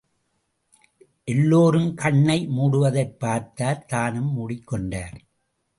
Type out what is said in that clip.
எல்லோரும் கண்ணை மூடுவதைப் பார்த்தார் தானும் மூடிக் கொண்டார்.